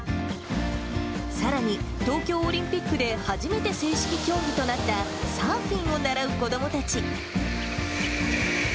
さらに、東京オリンピックで初めて正式競技となったサーフィンを習う子どもたち。